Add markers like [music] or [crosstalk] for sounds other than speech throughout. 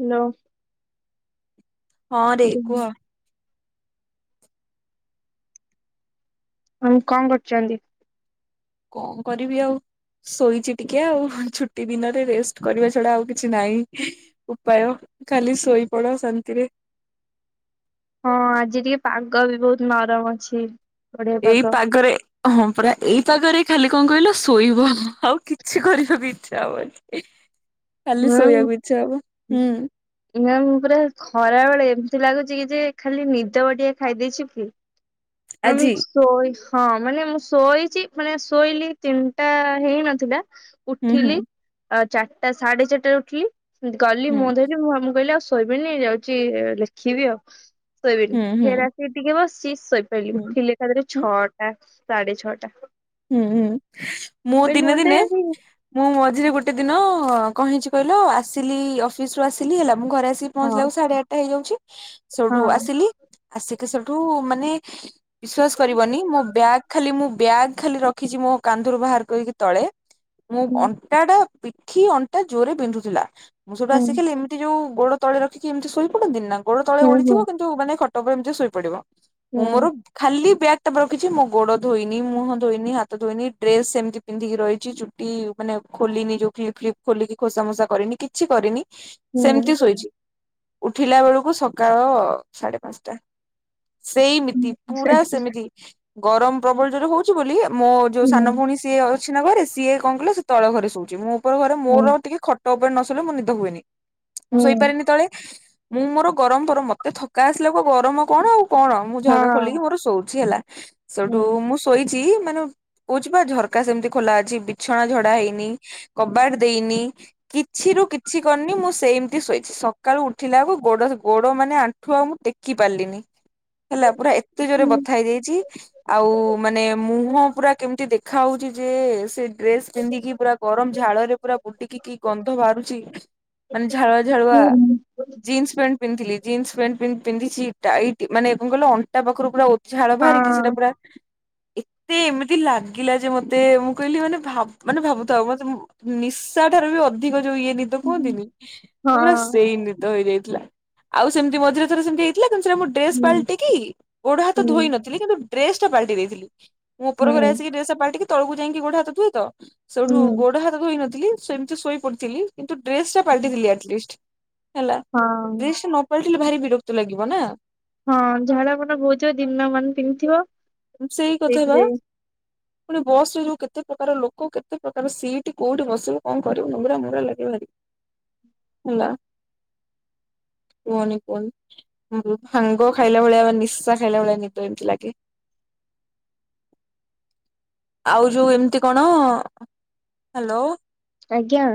Hello. ହଁ ରେ କୁହ। ହୁଁ କଣ କରୁଛନ୍ତି? କଣ କରିବି ଆଉ। ଶୋଇଛି ଟିକେ ଆଉ ଛୁଟି ଦିନରେ ରେଷ୍ଟ କରିବା ଛଡା ଆଉ କିଛି ନାହିଁ। ଉପାୟ ଖାଲି ଶୋଇପଡ ଶାନ୍ତିରେ। ହଁ ଆଜି ଟିକେ ପାଗ ବି ବହୁତ ନରମ ଅଛି। ବଢିଆ ଏଇ ପାଗ। ପାଗରେ। ହଁ ପୁରା ଏଇପାଗରେ ଖାଲି କଣ କହିଲ ଶୋଇବ ଆଉ କିଛି କରିବାକୁ ଇଚ୍ଛା ହବନି। ଖାଲି ଶୋଇବାକୁ ଇଛା ହବ ହୁଁ। ନା ପୁରା ଖରା ବେଳେ ଏମିତି ଲାଗୁଛି କି ଯେ ଖାଲି ନିଦ ବଟିକା ଖାଇଦେଇଛି ହୁଁ ଆଜି ଶୋଇ ହଁ ମାନେ ମୁଁ ଶୋଇଛି ମାନେ ଶୋଇଲି ତିନିଟା ହେଇନଥିଲା ହୁଁ ହୁଁ ଉଠିଲି ଆ ଚାରିଟା ସାଢେ ଚାରିଟା ଉଠିଲି ସେମତି ଗଲି ହୁଁ ମୁଁ ଧୋଇ ମୁଁ ମୁଁ କହିଲି ଆଉ ଶୋଇବିନି ଯାଉଛି ଲେଖିବି ଆଉ ଶୋଇବିନି ହୁଁ ହୁଁ ଫେ ଆ ସେ ଟିକେ ବସିି ଶୋଇପଡ଼ିଲି ହୁଁ ଉଠିଲି ତାପରେ ହୁଁ ଛଅଟା ସାଢେ ଛଅଟା। ହୁଁ ହୁଁ ମୁଁ କହିଲି ଦିନେ ମତେ ଦିନେ ଆଜି ମୁଁ ମଝିରେ ଗୋଟେ ଦିନ କହିଛି କହିଲ ଆସିଲି ଅଫିସ ରୁ ଆସିଲି ହେଲା ମୁଁ ଘରେ ଆସି ହଁ ପହଞ୍ଚିଲାକୁ ସାଢେ ଆଠଟା ହେଇଯାଉଛି ହଁ ସେଠୁ ଆସିଲି ଆସିକି ସେଠୁ ମାନେ ବିଶ୍ଵାସ ହୁଁ କରିବନି ମୋ ବ୍ୟାଗ ଖାଲି ମୁଁ ବ୍ୟାଗ ଖାଲି ରଖିଛି ମୋ କାନ୍ଧରୁ ବାହାର କରିକି ତଳେ ମୁଁ ଅନଟାଟା ପିଠି ଅଣ୍ଟା ଜୋରରେ ବିନ୍ଧୁଥିଲା ମୁଁ ସେଟୁ ହୁଁ ଆସ ଖାଲି ଏମି ଯୋଉ ଗୋଡ ତଳେ ରଖିକି ଏମିତି ଶୋଇ ପଡନ୍ତି ନା ଗୋଡ ତଳେ ହୁଁ ହୁଁ ଓଳିଥିବ କିନ୍ତୁ ମାନେ ଖଟ ଉପରେ ଏମିତି ଶୋଇ ପଡିବ। ମୁଁ ହୁଁ ମୋର ଖାଲି ବ୍ୟାଗ୍ ତାପରେ ରଖିଛି ମୋ ଗୋଡ ଧୋଇନି ମୁହ ଧୋଇନି ହାତ ଧୋଇନି ଡ୍ରେସ ସେମିତି ପିନ୍ଧିକି ରହିଛି ଚୁଟି ମାନେ ଖୋଲିନି ଯୋଉ ଖୋଲିକି ଖୋସାମୋସା କରିନି କିଛି କରିନି ସେମିତି ହୁଁ ଶୋଇଛି। ଉଠିଲା ବେଳକୁ ସକାଳ ସାଢେ ପାଞ୍ଚଟା ହୁଁ ସେଇମିତି ପୁରା ସେମିତି ଗରମ ପ୍ରବଳ ଜୋରେ ହଉଛି ବୋଲି ମୋ ଯୋଉ ହୁଁ ହୁଁ ସାନ ଭଉଣୀ ସିଏ ଅଛି ନା ଘରେ ସିଏ କଣ କହିଲ ସେ ତଳ ଘରେ ଶୋଉଛି ମୁଁ ଉପର ଘରେ ହଁ ମୋର ଟିକେ ଖ ଖଟ ଉପରେ ନସୋଇଲେ ମୁ ନିଦ ହୁଏନି ହୁଁ ମୁଁ ହୁଁ ହୁଁ ଶୋଇପାରେନି ତଳେ ମୁଁ ମୋର ଗରମ ଫରମ ମତେ ଥକା ଆସିଲା କ ଗରମ କଣ ଆଉ କଣ। ମୁଁ ଝରକା ହଁ ଖୋଲିକି ମୋର ଶୋଉଚି ହେଲା ହଁ ସେଠୁ ହୁଁ ମୁଁ ଶୋଇଚି ମାନେ କହୁଛି ବା ଝରକା ସେମିତି ଖୋଲା ଅଛି ବିଛଣା ଝଡା ହେଇନି କବାଟ ଦେଇନି। କିଛି ରୁ କିଛି କରିନି ମୁଁ ସେମିତି ଶୋଇଛି ସକାଳୁ ଉଠିଲା ବକୁ ଗୋଡ ଗୋଡ ମାନେ ଆ ଠୁ ଆଉ ମୁଁ ଟେକି ପାରିଲିନି। ହେଲା ପୁରା ଏତେ ଜୋରେ ହୁଁ ବଥା ହେଇଯାଇଛି ଆଉ ମାନେ ମୁହଁ ପୁରା କେମିତି ଦେଖା ଖା ହଉଚି ଯେ ସେ ଡ୍ରେସ ପିନ୍ଧିକି ପୁରା ଗରମ ଝାଳ ରେ ପୁରା ବୁଡିକି କି ଗନ୍ଧ ବାହାରୁଚି ମାନେ ଝାଳୁଆ ଝାଳୁଆ ହୁଁ ହୁଁ ଜିନ୍ସ ପ୍ୟାଣ୍ଟ ପିନ୍ଧିଥିଲି ଜିନ୍ସ ପେଣ୍ଟ ପି ପିନ୍ଧିଛି ଟାଇଟ୍ ମାନେ କଣ କଇଲ ଅଣ୍ଟା ପାଖରୁ ପୁରା ଓ ଝାଳ ବାହାରିକି ସେଟା ପୁରା ଏତେ ଏମିତି ଲାଗିଲା ଯେ ମତେ ମୁଁ କହିଲି ମାନେ ଭା ମାନେ ଭାବୁଥାଉ ମତେ ନିଶା ଠାରୁ ବି ଅଧିକ ଯୋଉ ଇଏ ନିଦ କୁହନ୍ତିନି ପୂରା ସେଇ ନିଦ ହେଇଯାଇଥିଲା। ଆଉ ସେମିତି ମଝିରେ ଥରେ ସେମିତି ହେଇଥିଲା କିନ୍ତୁ ସେରା ଡ୍ରେସ ପାଲଟି କି ଗୋଡା ହାତ ଧୋଇ ନଥି ଲି କିନ୍ତୁ ଡ୍ରେସ ଟା ପାଲଟି ଦେଇଥିଲି ମୁଁ ଉପର ଘରେ ଆସି ଡ୍ରେସ ଟା ପାଲଟିକି ତଳକୁ ଯାଇକି ଗୋଡ ହାତ ଧୁଏ ତ। ସେଇଠୁ ହଁ ଗୋଡ ହାତ ଧୋଇନଥିଲି ସେମିତି ଶୋଇ ପଡିଥିଲି କିନ୍ତୁ ଡ୍ରେସ ଟା ପାଲ୍ଟିଥିଲି ଅଟଲିଷ୍ଟ୍,। ହେଲା ଡ୍ରେସ ନ ପାଲଟିଲେ ଭାରି ବିରକ୍ତ ଲାଗିବ ନା। ହଁ ଝାଳ ମାନେ ବହୁଥିବ ଦିନ ମାନେ ପିନ୍ଧିଥିବ। ସେଇ କଥା ବା। ସେଇଥିରେ ପୁଣି ବସ୍ ରେ ଯୋଉ କେତେ ପ୍ରକାର ଲୋକ କେତେ ପ୍ରକାର ସିଟ୍ କୋଉଠି ବସିବ କଣ କରିବୁ ମୁନ୍ଦରା ମୁନ୍ଦୁରା ଲାଗିବ ଭାରୀ। ହେଲା କୁହନି କୁହନି। ହୁଁ ଭାଙ୍ଗ ଖାଇଲା ଭଳିଆ ବା ନିଶା ଖାଇଲା ଭଳିଆ ନିଦ ଏମିତି ଲାଗେ। ଆଉ ଯୋଉ ଏମିତି କଣ ହ୍ୟାଲୋ। ଆଜ୍ଞା।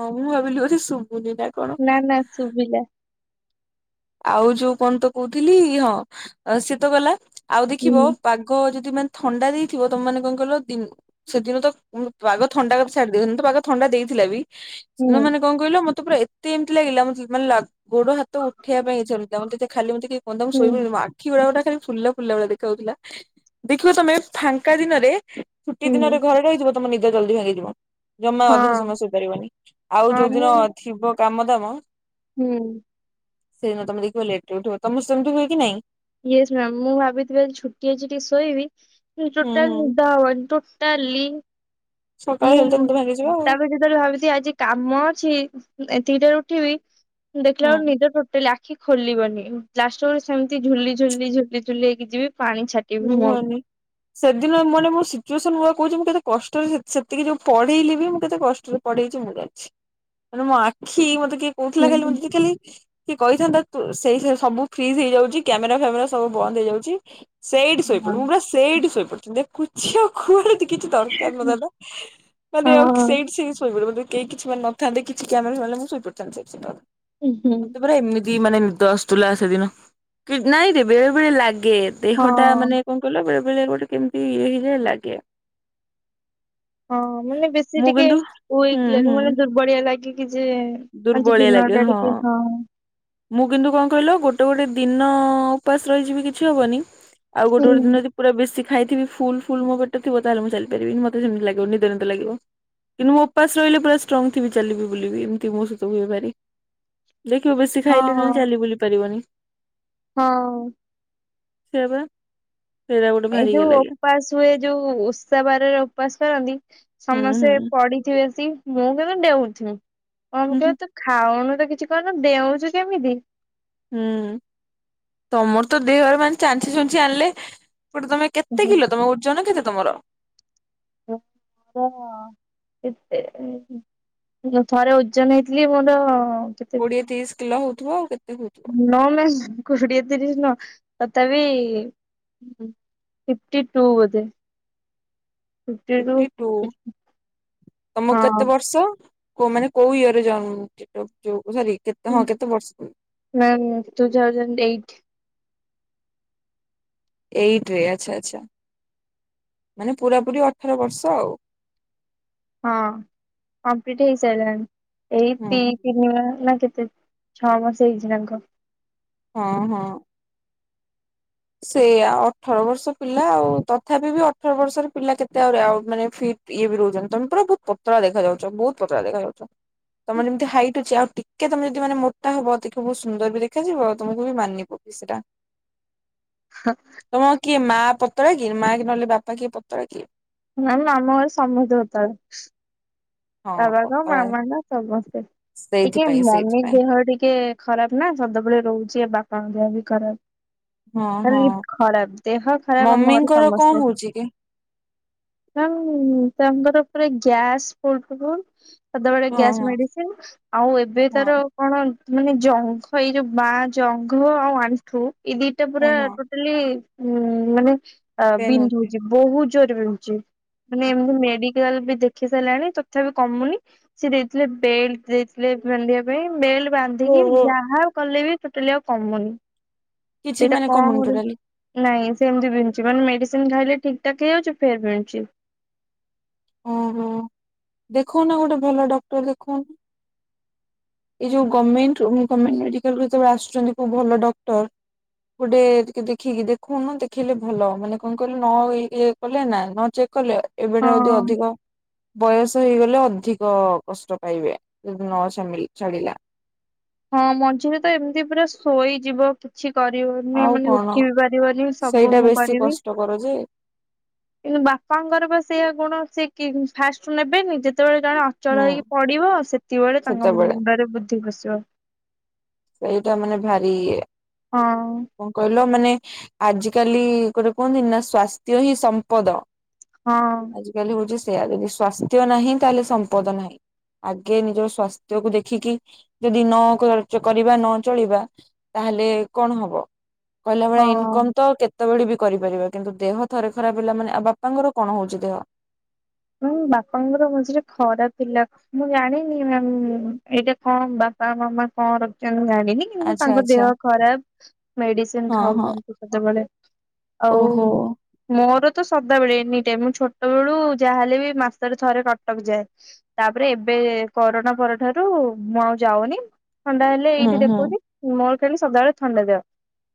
ହଁ ମୁଁ ଭାବିଲି ବୋଧେ ଶୁଭୁନି ନା କ ନା ନା ଚୁବିିଲା। ଆଉ ଯୋଉ କଣ ତ କହୁଥିଲି ହଁ ସେ ତ ଗଲା ଆଉ ହୁଁ ଦେଖିବ ପାଗ ଯଦି ମାନେ ଥଣ୍ଡା ଦେଇଥିବ ତମାନେ କଣ କଇଲ ଦିନ ସେଦିନ ତ ଉ ପାଗ ଥଣ୍ଡା କରି ଛାଡି ଦିଅ ଏମିତି ପାଗ ଥଣ୍ଡା ଦେଇଥିଲା ବି ହୁଁ ମ ମାନେ କଣ କହିଲ ମତେ ପୁରା ଏତେ ଏମିତି ଲାଗିଲା ମୁଁ ଜି ମାନେ ଗୋଡ ହାତ ଉଠେଇବା ପାଇଁ ଇଚା ହୁଁଥିଲା ମତେ ଖାଲି ମତେ କିଏ କୁଅନ୍ତା ମୁଁ ହୁଁ ଶୋଇବି ଆଖି ଗୋଡା ଖାଲି ଫୁଲଲା ଫୁଲଲା ଭଳିଆ ଦେଖାଉଥିଲା ଦେଖିବ ତମେ ଫାଙ୍କା ଦିନରେ ଛୁଟି ଦିନରେ ହୁଁ ଘରେ ରହିଥିବ ତମ ନିଦ ଜଲଦି ଭାଙ୍ଗିଯିବ। ଜମା ଅଧିକ ସମୟ ହଁ ଶୋଇପାରିବନି ଆଉ ହଁ ଯୋଉଦିନ ଥିବ କାମ ଦାମ ହୁଁ। ସେଦିନ ତମେ ଦେଖିବ ଲେଟ୍ ରେ ଉଠିବ ତମର ସେମତି ହୁଏ କି ନାଇଁ। ୟେସ୍ ମ୍ୟାାମ ମୁଁ ଭାବିଥିବି ଆଜି ଛୁଟି ଅଛି ଟିକେ ଶୋଇବି ହୁଁ ଟୋଟାଲ ହୁଁ ନିଦ ହବନି ଟୋଟାଲି ସକାଳ ହେଲେ ତ ମୁଁ ନିଦ ଭାଙ୍ଗିଯିବ ଆଉ ତାପରେ ଯେତବେଳେ ଭାବିଥିବି ଆଜି କାମ ଅଛି ଏତିକିଟାରେ ଉଠିବି ଦେଖିଲା ହୁଁ ବେଳକୁ ନିଦ ଟୋଟାଲି ଆକ୍ ଖି ଖୋଲିବନି ଲାଷ୍ଟରେ ବେଳକୁ ସେମିତି ଝୁଲି ଝୁଲି ଝୁଲିଝୁଲି ହେଇକି ଯିବି ପାଣି ଛା କୁହନି। ସେଦିନ ମାନେ ମୋ ସିଚୁଏସନ ମୁଁ ବା କହୁଛି ମୁଁ କେତେ କଷ୍ଟରେ ସେତିକି ଯୋଉ ପଢେଇଲି ବି ମୁଁ କେତେ କଷ୍ଟରେ ପଢେଇଚି ମୁଁ ଯାଣିଚି ମାନେ ମୋ ଆଖି ମତେ କିଏ କହୁଥିଲା ହୁଁ ଖାଲି ମତେ ଟିକେ ଖାଲି କି କହିଥାନ୍ତା ସେଇ ସବୁ ଫ୍ରିଜ୍ ହେଇଯାଉଛି କ୍ୟାମେରା ଫ୍ୟାମେରା ସବୁ ବନ୍ଦ ହେଇଯାଉଚି ସେଇଠି ହଁ। ଶୋଇପଡୁ ମୁଁ ପୁରା ସେଇଠି ଶୋଇପଡିଥାନ୍ତି କୁ କିଛି ବି ଆଉ କୁଆଡ଼େ କିଛି ଦରକାର ନଥାନ୍ତା। ମାନେ ଆ ହଁ ସେଇଠି ସେମତି ଶୋଇ ପଡିଥାନ୍ତି କେହି କିଛି ମାନେ ନଥାନ୍ତେ କିଛି କ୍ୟାମେରା ଫ୍ୟାମେରା ଶୋଇ ପଡିଥାନ୍ତି ସେଇଠି ସେମିତି ହୁଁ ଆଉ। ମତେ ପୁରା ଏମିତି ତୀ ମାନେ ନିଦ ଆସୁଥିଲା ସେଦିନ ନାଇଁରେ ବେଳେ ବେଳେ ଲାଗେ ଦେହଟା ହଁ ମାନେ କଣ କହିଲ ବେଳେ ବେଳେ ଗୋଟେ କେମିତି ଇଏ ହେଇଯାଏ ଲାଗେ ହଁ ମାନେ ବେଶୀ ମୁଁ ଟିକେ କିନ୍ତୁ ହୁଁ ଉଇକ୍ ହୁଁ ଲାଗେ ମାନେ ଦୁର୍ବଳିଆ ଲାଗେ କିି ଯେ ଆଜି ଦୁର୍ବଳିଆ ଲାଗେ ଦିନଟା ଟିକେ ହଁ ମୁଁ କିନ୍ତୁ କଣ କହିଲ ଗୋଟେ ଗୋଟେ ଦିନ ଉପାସ ରହିଯିବି କିଛି ହବନି ଆଉ ଗୋଟେ ହୁଁ ଗୋଟେ ଦିନ ଯଦି ପୁରା ବେସି ଖାଇଥିବି ଫୁଲ୍ ଫୁଲ୍ ମୋ ପେଟ ଥିବ ତାହେଲେ ମୁଁ ଚାଲି ପାରିବିନି ମତେ ସେମିତି ଲାଗିବ ନିଦ ନିଦ ଲାଗିବ। କିନ୍ତୁ ମୁଁ ଉପାସ ରହିଲେ ପୁରା ଷ୍ଟ୍ରଙ୍ଗ ଥିବି ଚାଲିବି ବୁଲିବି ଏମିତି ମୋ ସହିତ ହୁଏ ଭାରୀ ଦେଖିବ ବେଶୀ ହଁ ଖାଇଲେ ତାଲେ ଚାଲି ବୁଲି ପାରିବନି। ହଁ। ସେୟା ପା। ସେଇଟା ଗୋଟେ ଏଇ ଭାରି ଇଏ ଯୋଉ ଲାଗେ ଉପାସ ହୁଏ ଯୋଉ ଓଷା ବାରରେ ଉପବାସ କରନ୍ତି ହୁଁ ସମସ୍ତେ ହୁଁ ପଡିଥିବେ ତି ମୁଁ କିନ୍ତୁ ଡେଉଁଥିବି ମମି ହୁଁ କହୁଥିବ ହୁଁ କି ତୁ ଖାଉନୁ ତ କିଛି କରୁନୁ ଡେଉଁଛୁ କେମିତି? ହୁଁ ତମର ତ ଦେହରେ ମାନେ ଚାଞ୍ଛି ଛୁଞ୍ଚି ଆଣିଲେ ଗୋଟେ ତମେ କେତେ ମୋର କିଲୋ ତମ ଓଜନ କେତେ ତମର? ହଁ ମୋର ଏତେ ଥରେ ଓଜନ ହେଇଥିଲି ମୋର କେ କୋଡିଏ ତିରିଶ କିଲୋ ହଉଥିବ ଆଉ କେତେ ହଉଥିବ? ନୋ ମିସ କୋଡିଏ ତିରିଶ ନୁହଁ ତଥାପି ଫିପ୍ଟିଟୁ ବୋଧେ। ଫିପ୍ଟି ଟୁ ତମକୁ ହଁ। କେତେ ବର୍ଷ? କୋଉ ମାନେ କୋଉ ଇଅରେ ଜନ୍ମ କେତେ କୋଉ ସରି ହଁ କେତେ ବର୍ଷ? ନା ମ୍ୟାମ୍ ଟୁ ଥାଉଜଣ୍ଡ ଏଇଟ୍। ଏଇଟରେ ଆଚ୍ଛା ଆଚ୍ଛା ମାନେ ପୁରା ପୁରୀ ଅଠର ବର୍ଷ ଆଉ ହଁ କମ୍ପ୍ଲିଟ ହେଇସାରିଲାଣି ଏଇ ହୁଁ ହୁଁ। ତିନି ନା ମାସ କେତେ? ଛଅ ମାସ ହେଇଛିନା କଣ? ହଁ ହଁ। ସେୟା ଅଠର ବର୍ଷ ପିଲା ଆଉ, ତଥାପି ବି ଅଠର ବର୍ଷର ପିଲା କେତେ ଆଉ ମାନେ ଫିଟ ଇଏ ବି ରହୁଛନ୍ତି ତମେ ପୁରା ବହୁତ ପତଳା ଦେଖାଯାଉଛ ବହୁତ ପତଳା ଦେଖାଯାଉଛ। ତମର ଯେମିତି ହାଇଟ ଅଛି ଆଉ ଟିକେ ତମ ଯଦି ମାନେ ମୋଟା ହବ ଟିକେ ବହୁତ ସୁନ୍ଦର ବି ଦେଖାଯିବ ତମକୁ ବି ମାନିବ। ସେଇଟା। ହଁ। ତମ କିଏ ମା ପତଳା କି ମା କି ନହେଲେ ବାପା କିଏ ପତଳା କି? ମ୍ୟାମ ଆମ ଘରେ ସମସ୍ତେ ପତଳା। ହଁ ବାବା କଣ ପତଳା ମାମା କଣ ସମସ୍ତେ ଟିକେ ସେଇଥିପାଇଁ ମମି ସେଇଥିପାଇଁ ଦେହ ଟିକେ ଖରାପ ନା ସଦାବଳେ ରହୁଛି ଏ ବାପଙ୍କ ଦେହ ବି ଖରାପ। ହଁ ଖାଲି ହଁ। ଖରାପ ଦେହ ଖରାପ ଆମ ଘର ମମିଙ୍କର କଣ ସମସ୍ତଙ୍କ ହଉଛି କି? ତାଙ୍କ ତାଙ୍କର ପୁରା ଗ୍ୟାସ୍ [inaudible] ସଦାବେଳେ ହଁ ଗ୍ୟାସ୍ ହଁ ମେଡିସିନ, ଆଉ ଏବେ ହଁ ତାର କଣ ମାନେ ଜଙ୍ଘ ଏଇ ଯୋଉ ବାଆଁ ଜଙ୍ଘ ଆଉ ଆଣ୍ଠୁ ଏଇ ଦିଟା ପୁରା ହଁ ହଁ ହେଲେ ମାନେ ପେନ୍ ହଉଛି। ବିନ୍ଧୁଛି, ବହୁତ ଜୋରେ ବିନ୍ଧୁଛି। ମାନେ ଏମିତି ମେଡିକାଲ ବି ଦେଖେଇ ସାରିଲାଣି ତ ତଥାପି କମୁନି ସେ ଦେଇଥିଲେ ବେଲଟ ଦେଇଥିଲେ ବାନ୍ଧିବା ପାଇଁ ବେଲ ଓ ବାନ୍ଧିକି ହୋ ଯାହା କଲେ ବି ଟୋଟାଲି ଆଉ କମୁନି କିଛି ସେଇଟା ମାନେ କଣ କମୁନି ହଉନି ଟୋଟାଲି ନାଇଁ ସେମିତି ବିନ୍ଧୁଛି। ମାନେ ମେଡିସିନ ଖାଇଲେ ଠିକ ଠାକ ହେଇଯାଉଛି ଫେର୍ ବିନ୍ଧୁଛି। ଓହୋ ଦେଖୁଉନା ଗୋଟେ ଭଲ ଡକ୍ଟର ଦେଖଉନ? ଏଇ ଯୋଉ ଗମେଣ୍ଟରୁ ଗମେଣ୍ଟ ମେଡିକାଲରୁ ଯେତେବେଳେ ଆସୁଛନ୍ତି କୋଉ ଭଲ ଡକ୍ଟର ଗୋଟେ ଦେଖିକି ଦେଖଉନ ଦେଖେଇଲେ ଭଲ ମାନେ କଣ କହିଲେ ନ ଇଏ କଲେ ନ ଚେକ୍ କଲେ ଏବେଠାରୁ ଯଦି ହଁ। ଅଧିକ ବୟସ ହେଇଗଲେ ଅଧିକ କଷ୍ଟ ପାଇବେ ଯଦି ନ ଜମି ଛାଡିଲା। ହଁ ମଝିରେ ତ ଏମିତି ପୁରା ଶୋଇଯିବ କିଛି କରିହେଉନି ଆଉ ମାନେ କଣ ଉଠି ବିି ପାରିବନି ସବୁ ସେଇଟା ମୁଁ ବେଶୀ କରିବି। କଷ୍ଟକର ଯେ କିନ୍ତ ବାପାଙ୍କର ବା ସେଇୟା ଗୁଣ ସେ କି ଫାଷ୍ଟ ରୁ ନେବେନି ଯେତେବେଳେ ଜଣେ ହୁଁ ଅଚଳ ହେଇକି ପଡିବ ସେତିକି ବେଳେ ତାଙ୍କ ସେତେବେଳେ ମୁଣ୍ଡରେ ବୁଦ୍ଧି ପସିବ। ଏଇଟା ମାନେ ଭାରି ଇଏ। ହଁ। କଣ କହିଲ ମାନେ ଆଜି କାଲି ଗୋଟେ କୁହନ୍ତି ନା ସ୍ଵାସ୍ଥ୍ୟ ହିଁ ସମ୍ପଦ। ହଁ। ଆଜିିକାଲି ହଉଚି ସେୟା ଯଦି ସ୍ଵାସ୍ଥ୍ୟ ନାହିଁ ତାହେଲେ ସମ୍ପଦ ନାହିଁ। ଆଗେ ନିଜ ସ୍ଵାସ୍ଥ୍ୟ କୁ ଦେଖିକି ଯଦି ନ କର ଚ କରିବା ନ ଚଳିବା ତାହେଲେ କଣ ହବ କହିଲା ଭଳିଆ ହଁ ଇନକମ ତ କେତେ କେତବେଳେ ବି କରିପାରିବା କିନ୍ତୁ ଦେହ ଥରେ ଖରାପ ହେଲା ମାନେ ଆଉ ବାପାଙ୍କର କଣ ହଉଚି ଦେହ? ଉଁ ବାପାଙ୍କର ମଝିରେ ଖରାପ ଥିଲା। ମୁଁ ଜାଣିନି ମ୍ୟାମ ଏଇଟା କଣ ବାପା ମାମା କଣ ରଖିଚନ୍ତି ମୁଁ ଜାଣିନି। କିନ୍ତୁ ଆଚ୍ଛା ତାଙ୍କ ଆଚ୍ଛା ଦେହ ଖରାପ ମେଡିସିନ ହଁ ହଁ ଖାଉଚନ୍ତି କେତେବେଳେ। ଆଉ ଓହୋ ମୋର ତ ସଦାବେଳେ ଏନିଟାଇ ମୁଁ ଛୋଟ ବେଳୁ ଯାହାହେଲେ ବି ମାସ ରେ ଥରେ କଟକ ଯାଏ। ତାପରେ ଏବେ କରୋନା ପରଠାରୁ ମୁଁ ଆଉ ଯାଉନି ଥଣ୍ଡା ହେଲେ ହୁଁ ଏଇଠି ହୁଁ ଦେଖଉଚି। ମୋର ଖାଲି ସଦାବେଳେ ଥଣ୍ଡା ଦେହ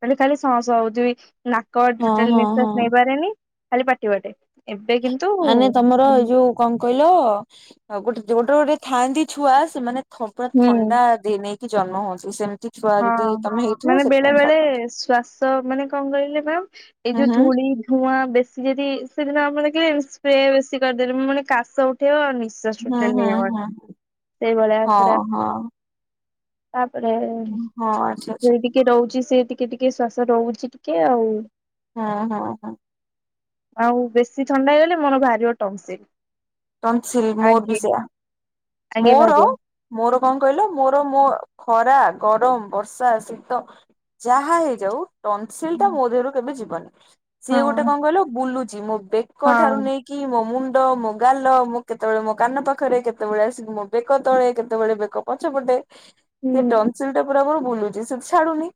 ଖାଲି ଖାଲି ସଅଁ ସଅଁ ହଉଥିବି ନାକ କର ହଁ ଟୋଟାଲ ହଁ ନିଶ୍ୱାସ ହଁ ନେଇପାରେନି ଖାଲି ପାଟି ବାଟେ ଏବେ କିନ୍ତୁ ମାନେ ତମର ଏଇ ହୁଁ ଯୋଉ କଣ କହିଲ ଗୋଟେ ଗୋଟେ ଗୋଟେ ଥାଆନ୍ତି ଛୁଆ ସେମାନେ ଥ ପୁରା ହଁ। ଥଣ୍ଡା ଦେଇ ନେଇକି ଜନ୍ମ ହୁଉନ୍ତି ସେମିତି ଛୁଆ ହଁ ଯଦି ତମେ ହେଇଥିବ ମାନେ ବେଳେ ସେଥିପାଇଁ ବେଳେ ଛାଡୁନ ଶ୍ଵାସ ମାନେ କଣ କହିଲେ ମ୍ୟାମ୍ ଏଇ ହୁଁ ଯୋଉ ହୁଁ ଧୂଳି ଧୂଆଁ ବେଶ ଯଦି ସେଦିନ ଆମ ଦେଖିଲେ ସ୍ପ୍ରେ ବେଶୀ କରିଦେଲେ ମୁଁ ମାନେ କାଶ ଉଠେଇବ ନି ଶ୍ୱାସ ହୁଁ ଟୋଟାଲ ହୁଁ ନେଇହବନି ହୁଁ ସେଇଭଳିଆ ହଁ ପୁରା ହଁ ତାପରେ ହଁ ଆଛା ସେ ଆଛା। ଟିକେ ରହୁଚି ସେ ଟିକେ ଟିକେ ଶ୍ୱାସ ରହୁଚି ଟିକେ ଆଉ। ହଁ ହଁ ହଁ। ଆଉ ବେଶୀ ଥଣ୍ଡା ହେଇଗଲେ ମୋର ବାହାରିବ ଟନସିଲ। ତନସିଲ ମୋର ବି ଆଗେ ସେୟା ଆଗେ ମୋର ବାହାରିବ ମୋର କଣ କହିଲ ମୋର ମୋ ଖରା ଗରମ ବର୍ଷା ଶୀତ ଯାହା ହେଇଯାଉ ଟନସିଲ ଟା ମୋ ଦେହରୁ କେବେ ଯିବନି ସିଏ ଗୋଟେ ହଁ କଣ କହିଲ ବୁଲୁଛି ମୋ ବେକ ଠାରୁ ହଁ ନେଇକି କି ମୋ ମୁଣ୍ଡ ମୋ ଗାଲ ମୁଁ କେତେବେଳେ ମୋ କାନ ପାଖରେ କେତେବେଳେ ଆସିକି ମୋ ବେକ ତଳେ କେତେବେଳେ ବେକ ପଛ ପଟେ ସେ ହୁଁ ଟନସିଲ ଟା ପୁରା ମୋର ବୁଲୁଚି ସେ ଛାଡୁନି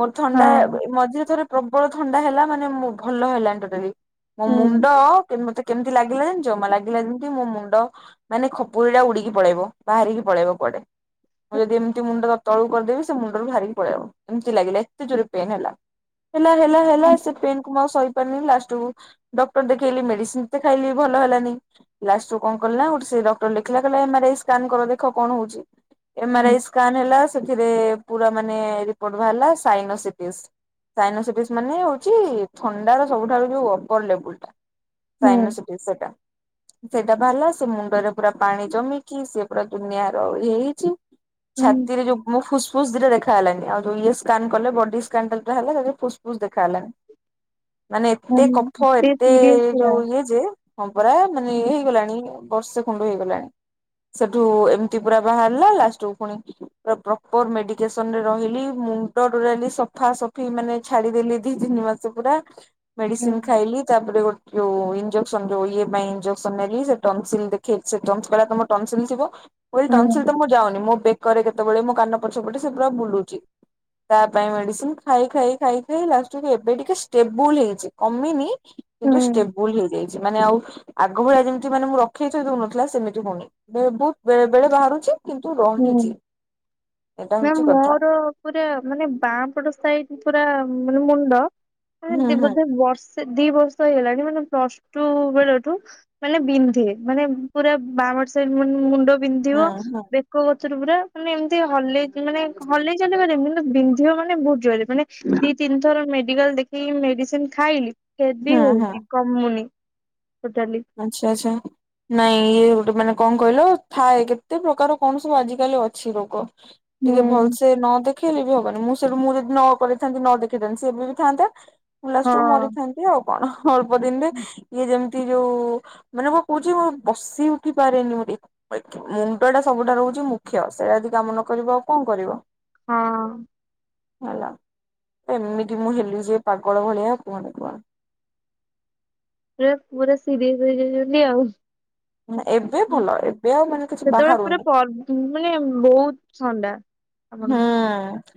ମୋର ଥଣ୍ଡା ହଁ ମଝିରେ ଥରେ ପ୍ରବଳ ଥଣ୍ଡା ହେଲା ମାନେ ମୋ ଭଲ ହେଲାନି ଟୋଟାଲି ବ ମୋ ହୁଁ। ମୁଣ୍ଡ କେମ ମତେ କେମିତି ଲାଗିଲା ଜାଣିଚ ଜମା ଲାଗି ଲା ଯେମିତି ମୋ ମୁଣ୍ଡ ମାନେ ଖପୁରୀ ଟା ଉଡିକି ପଳେଇବ ବାହାରିକି ପଳେଇବ କୁଆଡେ। ମୁଁ ଯଦି ଏମିତି ମୁଣ୍ଡ ତ ତଳକୁ କରିଦେବି ସେ ମୁଣ୍ଡରୁ ବାରିକି ପଳେଇବ ଏମତି ଲାଗିଲା ଏତେ ଜୋରେ ପେନ୍ ହେଲା। ହେଲା ହେଲା ହେଲା ହୁଁ ସେ ପେନ୍ କୁ ମୁଁ ଆଉ ସହି ଲାଷ୍ଟ କୁ ଡକ୍ଟର ଦେଖେଇଲି ମେଡିସିନ ଯେତେ ଖାଇଲି ଭଲ ହେଲାନି। ଲାଷ୍ଟୁ କଣ କଲି ନା ଗୋଟେ ସେ ଡକ୍ଟର ଲେଖିଲା କହିଲା ଏମ୍ ରାଇ ସ୍କାନ କର ଦେଖ କଣ ହଉଛି। ଏମ ଆର ହୁଁ ଆଇ ସ୍କାନ ହେଲା ସେଥିରେ ପୁରା ମାନେ ରିପୋଟ ବାହାରିଲା ସାଇନୋ ସିଟିସ। ସାଇନୋସିଟିସ୍ ମାନେ ହଉଚି ଥଣ୍ଡା ର ସବୁଠାରୁ ଯୋଉ ଅପର ଲେବୁଲ ଟା ସାଇନସିଟିସ୍ ସେଇଟା। ସେଇଟା ବାଲା ସେ ମୁଣ୍ଡରେ ପୁରା ପାଣି ଜମିକି ସେ ପୁରା ଦୁନିଆ ର ଇଏ ହେଇକି ହୁଁ ଛାତିରେ ଯୋଉ ମୋ ଫୁସ୍ ଫୁସ ଦିଟା ଦେଖା ଗଲାଣି ଆଉ ଇଏ ସ୍କାନ କଲେ ବଡି ସ୍କାନ ହେଲେ ଫୁସ୍ ଫୁସ୍ ଦେଖା ଗଲାନି। ମାନେ ଏତେ ହୁଁ କଫ ଏତେ ସିରିଏସ ପୁରା। ଯୋଉ ଇଏ ଯେ ହ ପରା ମାନେ ହୁଁ ହେଲାଣି ବର୍ଷେ ଖୁଣ୍ଡ ହେଇଗଲାଣି ସେଠୁ ଏମିତି ପୁରା ବାହାରିଲା ଲାଷ୍ଟକୁ ପୁଣି ପ୍ରପର ମେଡିକେସନରେ ରହିଲି ମୁଣ୍ଡ ତୋଟାଲି ସଫାସଫି ମାନେ ଛାଡିଦଲି ଦି ତିନି ମାସ। ପୁରା ମେଡିସିନ ଖାଇଲି ତାପରେ ଗୋଟେ ଯୋଉ ଇଞଜେକ୍ସନ ଯୋଉ ଇଏ ପାଇଁ ଏଞ୍ଜେସନ ନେଲି ସେ ଟନସିଲ୍ ଦେଖେଇ ସେ ତମ ଟନସିଲ ଥିବ ଟନସିଲ୍ କେବେ ମୁଁକହିଲେ ସେ ହୁଁ ଟନସିଲ ଯାଉନି ମୋ ବେକରେ କେତେବେଳେ ମୋ କାନ ପଛପଟେ ସେ ପୁରା ବୁଲୁଛି। ତା ପାଇଁ ମେଡିସିନ ଖାଇ ଖାଇ ଖାଇ ଖାଇ ଲାଷ୍ଟକୁ ଏବେ ଟିକେ ଷ୍ଟେବୁଲ ହେଇଛି କମିନି। କିନ୍ତୁ ହୁଁ ଷ୍ଟେବୁଲ ହେଇଯାଇଛି ମାନେ ଆଉ ଆଗ ଭଳିଆ ଯେମିତି ମାନେ ମୁଁ ରଖି ଥୋଇ ଦଉନଥିଲା ସେମିତି ହଉନି ବହୁତ ବଳେ ବାହାରୁଛି। କିନ୍ତୁ ହୁଁ। ରହିଛି ଏଇଟା ନା ହଉଛି କଥା। ମୋର ପୁରା ମାନେ ବାଁପଟ ସାଇଡ ପୁରା ମାନେ ମୁଣ୍ଡ ହୁଁ ହୁଁ ହୁଁ ବଧେ ବର୍ଷେ ଦି ବର୍ଷ ହେଇଗଲାଣି ମାନେ ପ୍ଲସ ଟୁ ବେଳଠୁ ମାନେ ବିନ୍ଧେ। ମାନେ ପୁରା ବାଆଁ ପଟ ସାଇଟ୍ ମୁଣ୍ଡ ହୁଁ ବିନ୍ଧିବ। କୋଉ [unintelligible] ପୁରା ମାନେ ଏମିତି ହଲେଇ ମାନେ ହଲେଇ ଚାଲି ପାରିବି କିନ୍ତୁ ବିନ୍ଧିବ ମାନେ ବହୁତ୍ ଜୋରେ। ମାନେ ଦି ତିନିଥର ମେଡିକାଲ ଦେଖିକି ମେଡିସିନ୍ ଖାଇଲି। ହୁଁ [unintelligible] ହୁଁ ହଉଚି କମୁନି ଟୋଟାଲି। ଆଚ୍ଛା ଆଚ୍ଛା। ନାଇଁ ଇଏ ଗୋଟେ ମାନେ କଣ କହିଲ ଥାଏ କେତେ ପ୍ରକାର କଣ ସବୁ ଆଜି କାଲି ଅଛି ରୋଗ। ଟିକେ ହୁଁ। ଭଲସେ ନ ଦେ ଖେଳି ବି ହବନି। ମୁଁ ସେଠୁ ମୁଁ ଯଦି ନ କରିଥାନ୍ତି ନ ଦେଖେଇଥାନ୍ତି ସେ ଏବେ ବି ଥାନ୍ତା। ମୁଁ ଲାଷ୍ଟରୁ ହଁ ମରିଥାନ୍ତି। ଆଉ କଣ। ଅଳ୍ପ ଦିନିରେ ଇଏ ଯେମିତି ଯୋଉ ମାନେ ମୁଁ କହୁଚି ମୁଁ ବସି ଉଠି ପାରେନି। [unintelligible] ମୁଣ୍ଡ ଟା ସବୁଠାରୁ ହଉଚି ମୁଖ୍ୟ। ସେଇଟା ଯଦି କାମ ନ କରିବ ଆଉ କଣ କରିବ। ହଁ। ହେଲା, ଏମିତି ମୁଁ ହେଲି ଯେ ପାଗଳ ଭଳିଆ କୁହନି କୁହନି। ସେ ପୁରା ସିରିୟସ୍ ହେଇଯାଇଛନ୍ତି ଆଉ। ଏବେ ଭଲ ଏବେ ଆଉ ମାନେ କିଛି ସେତେବେଳେ ପୁରା ବାହାରୁନି ପର୍ ମାନେ ବହୁତ୍ ଥଣ୍ଡା। ଆପଣଙ୍କୁ। ହୁଁ।